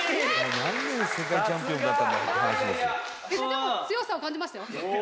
「でも強さを感じましたよ。